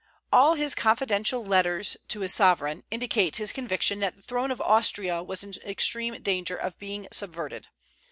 All his confidential letters to his sovereign indicate his conviction that the throne of Austria was in extreme danger of being subverted.